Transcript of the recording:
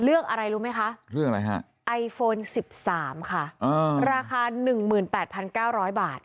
เรื่องอะไรรู้ไหมคะเรื่องอะไรฮะไอโฟนสิบสามค่ะอืมราคาหนึ่งหมื่นแปดพันเก้าร้อยบาท